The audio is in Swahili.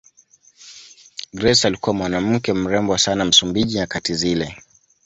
Grace alikuwa mwanawake mrembo sana Msumbiji nyakati zile